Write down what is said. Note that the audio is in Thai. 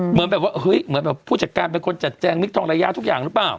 เหมือนแบบว่าเฮ้ยเหมือนแบบผู้จัดการเป็นคนจัดแจงมิคทองระยะทุกอย่างหรือเปล่า